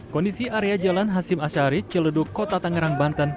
kondisi area jalan hasim asyarit celeduk kota tangerang banten